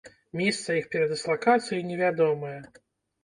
Месца іх перадыслакацыі невядомае.